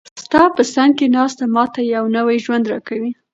ستا په څنګ کې ناسته، ما ته یو نوی ژوند راکوي.